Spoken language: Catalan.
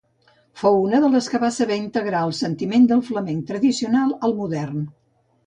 Fou una de les que va saber integrar el sentiment del flamenc tradicional al modern.